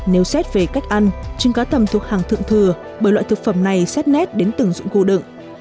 nếu xét về cách ăn trứng cá tầm thuộc hàng thượng thừa bởi loại thực phẩm này xét nét đến từng dụng cụ đựng